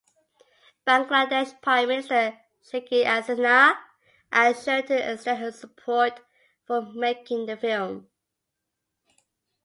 Bangladesh prime minister Sheikh Hasina assured to extend her support for making the film.